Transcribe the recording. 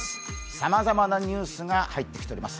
さまざまなニュースが入ってきております。